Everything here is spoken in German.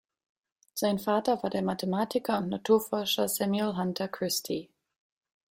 Sein Vater war der Mathematiker und Naturforscher Samuel Hunter Christie.